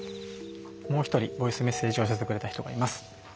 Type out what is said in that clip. もう一人ボイスメッセージを寄せてくれた人がいます。